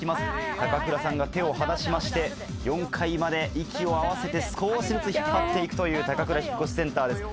高倉さんが手を離しまして４階まで息を合わせて少しずつ引っ張って行くというたかくら引越センターです。